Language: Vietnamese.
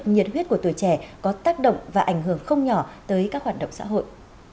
nhiệt huyết của tuổi trẻ có tác động và ảnh hưởng không nhỏ tới các hoạt động xã hội